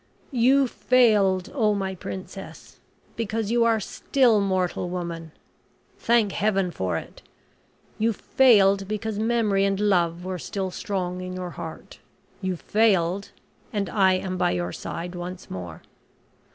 "You failed, oh, my Princess! because you are still mortal woman. Thank Heaven for it! You failed because memory and love were still strong in your heart. You failed and I am by your side once more.